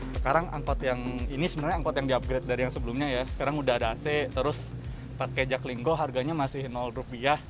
sekarang angkot yang ini sebenarnya angkot yang di upgrade dari yang sebelumnya ya sekarang udah ada ac terus pakai jaklinggo harganya masih rupiah